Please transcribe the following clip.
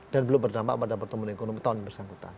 dan belum berdampak pada pertumbuhan ekonomi tahun yang berjangkitan